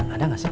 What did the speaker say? ada gak sih